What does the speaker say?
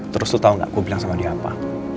terus lo tau gak gue bilang sama dia apa